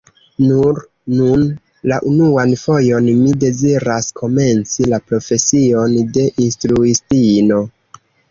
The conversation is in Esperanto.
Nur nun la unuan fojon mi deziras komenci la profesion de instruistino.